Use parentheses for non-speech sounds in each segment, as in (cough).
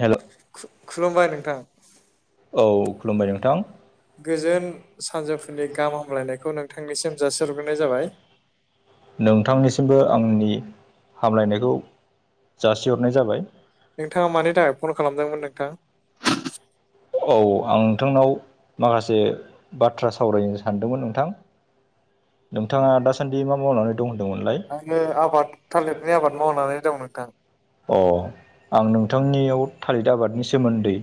हेल' खु खुलुमबाय नोंथां औ खुलुमबाय नोंथां गोजोन सानजौफुनि गाहाम हामलायनायखौ नोंथांनिसिम जासिहरग्रोनाय जाबाय नोंथांनिसिमबो आंनि हामलायनायखौ जासिहरनाय जाबाय नोंथाङा मानि थाखाय फन खालामदोंमोन नोंथां औ आं नोंथांनाव माखासे बाथ्रा सावरायनो सानदोंमोन नोंथां नोंथाङा दासान्दि मा मावनानै दं होनदोंमोनलाय आङो आबाद थालिरनि आबाद मावनानै दं नोंथां अ आं नोंथांनियाव थालिर आबादनि सोमोन्दै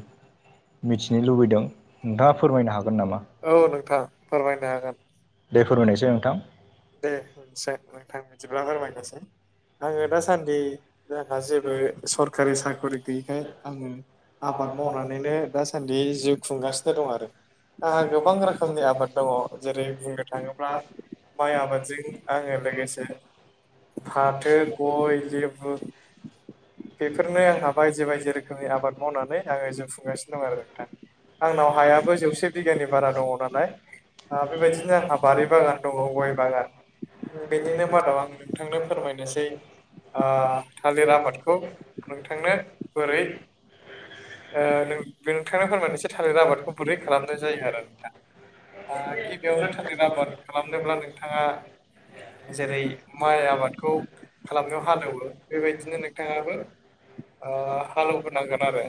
मिथिनो लुबैदों नोंथाङा फोरमायनो हागोन नामा औ नोंथां फोरमायनो हागोन दे फोरमायनायसै नोंथां दे होनसै नोंथां बिदिब्ला फोरमायनोसै आङो दासान्दि जोंहा जेबो सरखारि साख्रि गैयैखाय आङो आबाद मावनानैनो दासान्दि जिउ खुंगासिनो दं आरो आंहा गोबां रोखोमनि आबाद दङ जेरै बुंनो थाङोब्ला माइ आबादजों आङो लोगोसे फाथो गय लिबु बेफोरनो आंहा बायदि बायदि रोखोमनि आबाद मावनानै आङो जिउ खुंगासिनो दं आरो नोंथां आंनाव हायाबो जौसे बिगानि बारा दङ नालाय बेबायदिनो आंहा बारि बागान दङ गय बागान बेनिनो मादाव आं नोंथांनो फोरमायनोसै ओ थालिर आबादखौ नोंथांनो बोरै ओ नोंथांनो फोरमान एसे थालिर आबादखौ बोरै खालामनाय जायो आरो नोंथां आ गिबियावनो थालिर आबाद खालामनोब्ला नों थाङा जेरै माइ आबादखौ खालामनायाव हालेवो बेबायदिनो नोंथाङाबो ओ हालेवगोरनांगोन आरो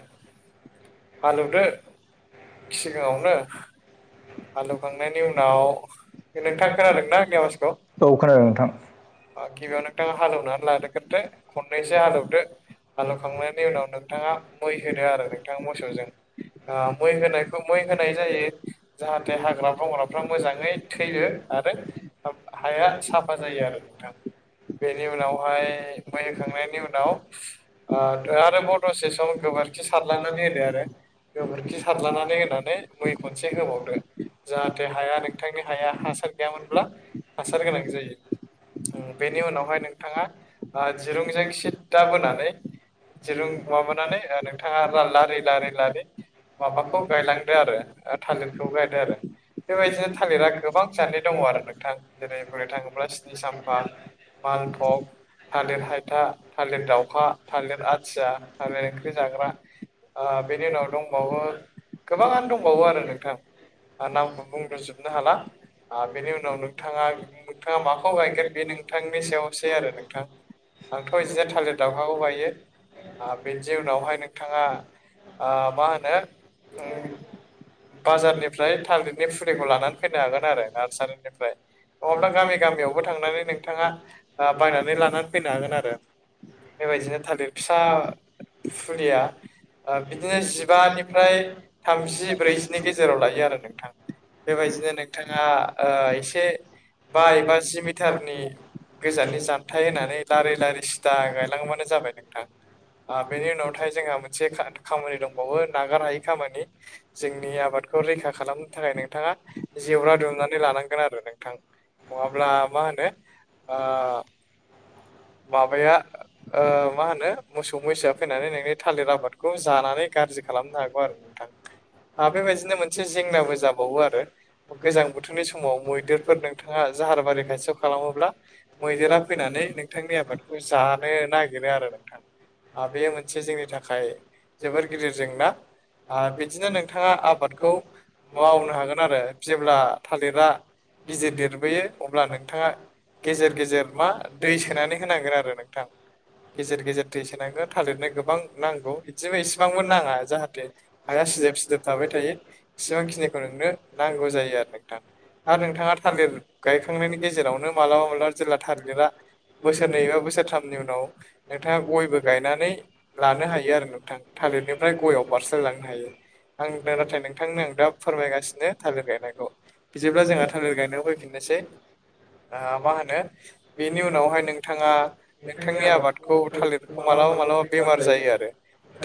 हालेवदो सिगाङावनो हालेवखांनायनि उनाव नोंथां खोनादों औ खोनादों नोंथां गिबियाव नोंथाङा हालेवनानै लादोग्रोदो खननैसो हालेवदो हालौखांनायनि उनाव नोंथाङा मै होदो आरो नोंथाङा मोसौजों ओ मै होनायखौ मै होनाय जायो जाहाथे हाग्रा बंग्राफ्रा मोजाङै थैयो आरो हाया साफा जायो आरो नोंथां बेनि उनावहाय मै होखांनायनि उनाव आरोबाव प्रसेसआव गोबोरखि सारलानानै होदो आरो गोबोरखि सारलानानै होनानै मै खनसे होबावदो जाहाथे हाया नों नोंथांनि हाया हासार गैयामोनब्ला हासार गोनां जायो ओ बेनि उनाव हाय नोंथाङा दिरुंजों सिददा बोनानै दिरुं माबानानै नोंथांङा लारि लिरि लारि माबाखौ गायलांदो आरो थालिरखौ गायदो आरो बेबायदिनो थालिरा गोबां जादनि दंङो आरो नोंथां जेरै बुंनो थांङोब्ला सिनि साम्फा मालफक थालिर हायथा थालिर दाउखा थालिर आथिया थालिर ओंख्रि जाग्रा बेनि उनाव दंबावो गोबांङानो दंबावो आरो नोंथां नामखौ बुंजोबनो हाला बेनि उनाव नोंथांङा नोंथांङा माखौ गायगोन बे नोंथांनि सायावसै आरो नोंथां आंथ बिदिनो थालिर दावखाखौ गायो बेनि उनावहाय नोंथांङा मा होनो बाजारनिफ्राय थालिरनि फुलिखौ लानानै फैनो हागोन आरो नार्सारि निफ्राय नंङाब्ला गामि गामियावबो थांनानै नोंथांङा बायनानै लानानै फैनो हागोन आरो बेबायदिनो थालिर फिसा फुलिया बिदिनो जिबानिफ्राय थामजि ब्रैजिनि गेजेराव लायो आरो नोंथां बेबायदिनो नोंथांङा एसे बा एबा जि मिटारनि गोजाननि जानथाय होनानै लारि लारि सिदा गायलांबानो जाबाय नोंथां बेनि उनावथाय जोंहा मोनसे खामानि दंबावो नागार हायै खामानि जोंनि आबादखौ रैखा खालामनो थाखाय नोंथांङा जेवरा दुमनानै लानांगोन आरो नोंथां नंङाब्ला मा होनो माबाया मा होनो मोसौ मैसोआ फैनानै नोंनि थालिर आबादखौ जानानै गाज्रि खालामनो हागौ आरो दा बेबायदिनो मोनसे जेंनाबो जाबावो आरो गोजां बोथोर बोथोरनि समाव मैदेरफोरनो नोंथांङा जाहार बारि खाायथियाव खालामोब्ला मैदेरा फैनानै नोंथांनि आबादखौ जानो नागिरो आरो बेयो मोनसे जोंनि थाखाय जोबोर गिदिर जेंना बिदिनो नोंथांङा आबादखौ मावनो हागोन आरो जेब्ला थालिरा गिदिर देर बोयो अब्ला नोंथांङा गेजेर गेजेर मा दै सोनानै होनांगोन आरो नोंथां गेजेर गेजेर दै सोनांगौ थालिरनो गोबां नांगौ बिदिबो इसिबांबो नांङा जाहाथे हाया सिदोब सिदोब थाबाय थायो एसेबांखिनिखौ नोंनो नांगौ जायो आरो नोंथां आरो नोंथांङा थालिर गायखांनायनि गेजेरावनो मालाबा मालाबा जेला थालिरा बोसोरनै बा बोसोरथामनि उनाव नोंथांङा गयबो गायनानै लानो हायो आरो नोंथां थालिरनिफ्राय गयआव बारस्लायलांनो हायो। आं दा नाथाय नोंथांनो आं दा फोरमायगासिनो थालिर गायनायखौ बिदिब्ला जोंहा थालिर गायनायाव फैफिनदो इसे मा होनो बेनि उनावहाय नोंथाङा नोंथांनि आबादखौ थालिर बेखौ मालाबा मालाबा बेमार जायो आरो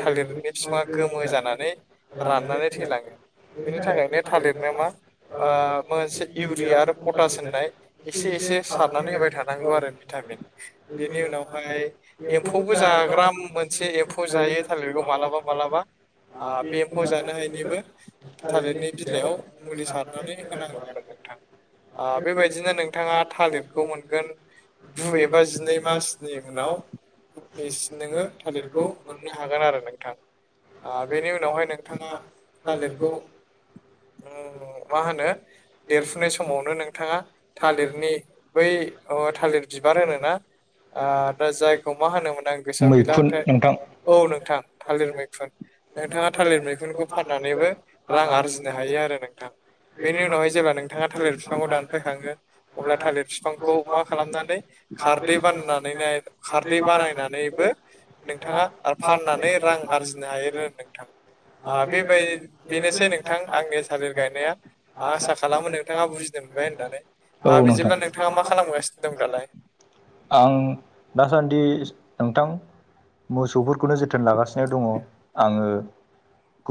थालिरनि बिफांङा गोमो जानानै राननानै थैलांङो बेनि थाखायनो थालिरनो मा मोनसे इउरिया आरो पटास होननाय एसे एसे सारनानै होबाय थानांगौ आरो भिटामिन बेनि उनावहाय एम्फौबो जाग्रा मोनसे एम्फौ जायो थालिरखौ मालाबा मालाबा बे एम्फौ जानो हायिनिबो थालिरनि बिलाइयाव मुलि सार नानै होनांगौ आरो नोंथां बेबायदिनो नोंथांङा थालिरखौ मोनगोन गु एबा जिनै मास नि उनाव नोंङो थालिरखौ मोननो हागोन आरो नोंथां बेनि उनावहाय नोंथांङा थालिरखौ माहोनो देरफुनाय समावनो नोंथांङा थालिरनि बै थालिर बिबार होनोना दा जायखौ मा होनोमोन आं गोसोआव गैला नाथाय नोंथां औ नोंथां थालिर मैखुन नोंथाङा थालिर मैखुनखौ फाननानैबो रां आरजिनो हायो आरो नोंथां। बेनि उनावहाय जेब्ला नोंथाङा थालिर फिफांखौ दान फैखाङो अब्ला थालिर फिफांखौ मा खालामनानै खारदै बाननानै नाय खारदै बानायनानैबो नोंथाङा आ फाननानै रां आरजिनो हायो आरो नोंथां। आ बेबायदि बेनोसै नोंथां आंनि थालिर गायनाया आं आसा खालामो नोंथाङा बुजि मोनबाय होननानै आ बिदिब्ला नोंथाङा मा खालामगासिनो दं दालाय? आं दासान्दि नोंथां मोसौफोरखौनो जोथोन लागासिनो दङ' आङो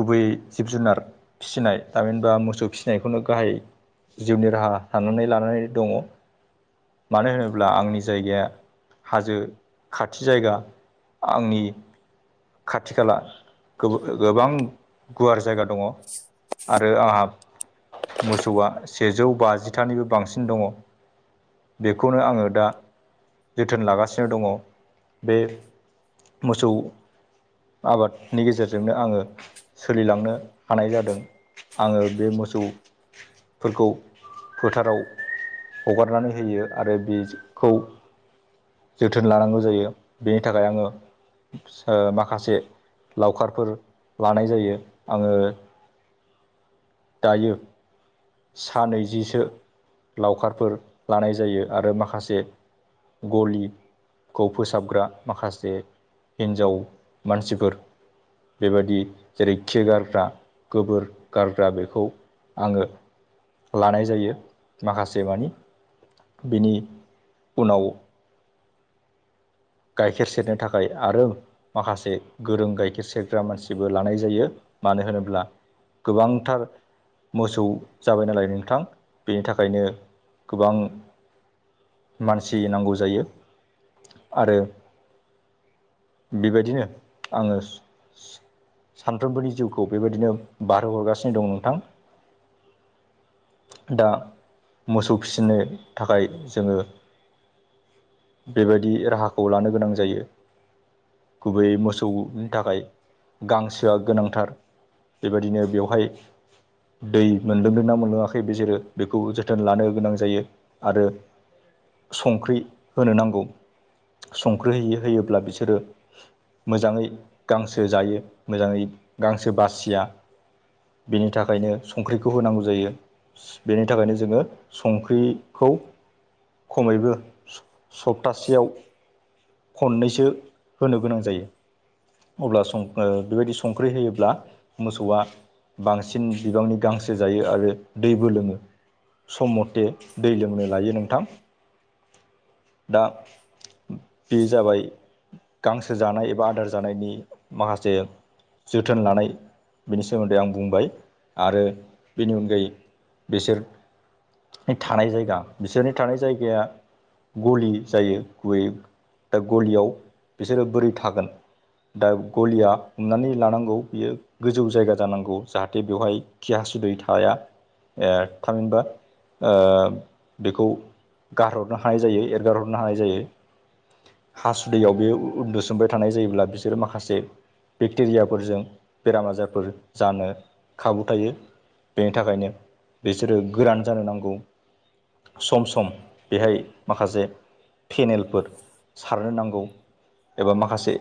गुबैयै जिब-जुनार फिसिनाय थामिहिनबा मोसौ फिसिनायखौनो गाहाय जिउनि राहा साननानै लानानै दङ' मानो होनोब्ला आंनि जायगाया हाजो खाथि जायगा आंनि खाथि खाला गो गोबां गुवार जायगा दङ'। आरो आंहा मोसौआ सेजौ बाजिथानिबो बांसिन दङ' बेखौनो आङो दा जोथोन लागासिनो दङ' बे मोसौ आबादनि गेजेरजोंनो आङो सोलिलांनो हानाय जादों आङो बे मोसौ फोरखौ फोथाराव हगारनानै होयो आरो बेखौ जोथोन लानांगौ जायो बेनि थाखाय आङो माखासे लावखारफोर लानाय जायो आङो दायो सा नैैजिसो लावखारफोर लानाय जायो आरो माखासे गलि खौ फोसाबग्रा माखासे हिन्जाव मानसिफोर बेबायदि जेरै खि गारग्रा गोबोर गारग्रा बे खौ आंङो लानाय जायो माखासे मानि बेनि उनाव गाइखेर सेरनो थाखाय आरो माखासे गोरों गाइखेर सेरग्रा मानसिबो लानाय जायो मानो होनोब्ला गोबांथार मोसौ जाबाय नालाय नोंथां बेनि थाखायनो गोबां मानसि नांगौ जायो। आरो बेबायदिनो आङो सानफ्रोमबोनि जिउखौ बेबायदिनो बारहो हरगासिनो दं नोंथां। दा मोसौ फिसिनो थाखाय जोंङो बेबायदि राहाखौ लानो गोनां जायो। गुबैयै मोसौनि थाखाय गांसोआ गोनांथार। बेबादिनो बेवहाय दै मोनदोंदों ना मोनलोङाखै बे जेरो बेखौ जोथोन लानो गोनां जायो। आरो संख्रि होनो नांगौ। संख्रि होयै होयोब्ला बिसोरो मोजाङै गांसो जायो मोजाङै गांसो बासिया बेनि थाखायनो संख्रिखौ होनांगौ जायो। बेनि थाखायनो जोंङो संख्रिखौ खमैबो सप्तासेयाव खननैसो होनो गोनां जायो। अब्ला सं बेबायदि संख्रि होयोब्ला मोसौआ बांसिन बिबांनि गांसो जायो आरो दैबो लोंङो सम मथे दै लोंनो लायो नोंथां दा बि जाबाय गांसो जानाय एबा आदार जानायनि माखासे जोथोन लानाय बिनि सोमोन्दै आं बुंबाय आरो बेनि अनगायै बिसोरनि थानाय जायगा बिसोरनि थानाय जायगाया गलि जायो गुबै दा गलियाव बिसोरो बोरै थागोन दा गलिया हमनानै लानांगौ बियो गोजौ जायगा जानांगौ जाहाथे बेवहाय खि हासुदै थाया ए थामहिनबा ओ बेखौ गारहरनो हानाय जायो एरगारहरनो हानाय जायो हासुदैयाव बे उन्दुसोमबाय थानाय जायोब्ला बिसोरो माखासे बेक्टेरियाफोरजों बेराम आजारफोर जानो खाबु थायो बेनि थाखायनो बिसोरो गोरान जानो नांगौ सम सम बेहाय माखासे पेनेल फोर सारनो नांगौ एबा माखासे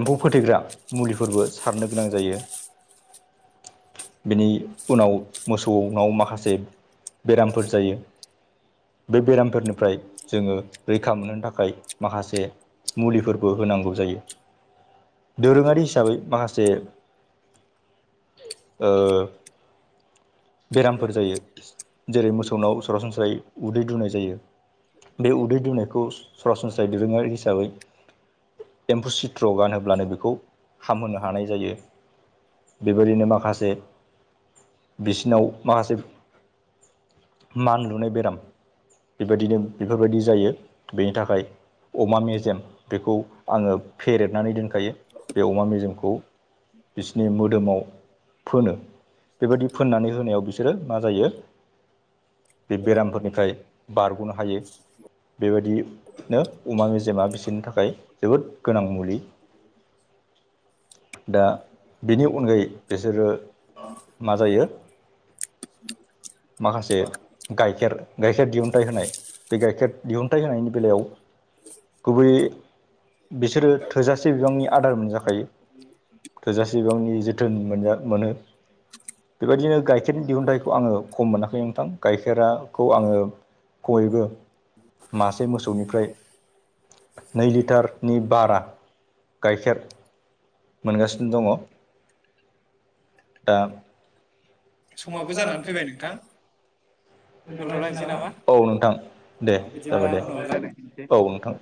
एम्फौ फोथैग्रा मुलिफोरबो सारनो गोनां जायो बेनि उनाव मोसौनाव माखासे बेरामफोर जायो बे बेरामफोरनिफ्राय जोंङो रैखा मोनो थाखाय माखासे मुलिफोरबो होनांगौ जायो दोरोङारि हिसाबै माखासे ओ बेरामफोर जायो जेरै मोसौनाव सरासनस्रायै उदै दुनाय जायो बे उदै दुनायखौ सरासनस्रायै दोरोङारि हिसाबै एम्बुसिट्र गानहोब्लानो बेखौ हामहोनो हानाय जायो। बेबायदिनो माखासे बिसिनाव माखासे मान लुनाय बेराम बेबायदिनो बेफोरबायदि जायो। बेनि थाखाय अमा मेजेम बेखौ आङो फेरेदनानै दोन खायो बे अमा मेजेमखौ बिसिनि मोदोमाव फोनो बेबायदि फोननानै होनायाव बिसोरो मा जायो बे बेरामफोरनिफ्राय बारग'नो हायो। (inaudible) बेबायदिनो अमा मेजेमा बिसोरनि थाखाय जोबोद गोनां मुलि दा बेनि अनगायै बिसोरो मा जायो माखासे गाइखेर गाइखेर दिहुनथाइ होनाय बे गाइखेर दिहुनथाइ होनायनि बेलायाव गुबैयै बिसोरो थोजा से बिबांनि आदार मोनजाखायो थोजासे बिबांनि जोथोन मोनजा मोनो। बेबायदिनो गाइखेरनि दिहुनथाइखौ आङो खम मोनाखै नोंथां गाइखेरा खौ आङो खमैबो मासे मोसौनिफ्राय नै लिटारनि बारा गाइखेर मोनगासिनो दङ दा समावबो जानानै फैबाय नोंथां। दोनथ'लायनोसै नामा औ नोंथां दे बिदिब्ला जाबाय दे उनाव रायलाय औ नोंथां।